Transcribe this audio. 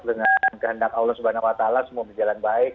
dengan kehendak allah swt semua berjalan baik